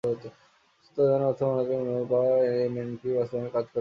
সূত্র জানায়, অর্থ মন্ত্রণালয়ের অনুমোদন পাওয়ায় এমএনপি বাস্তবায়নের কাজ অনেকটা এগিয়ে গেল।